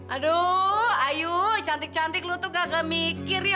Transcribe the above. aduh ayu cantik cantik lu tuh gak kemikir ya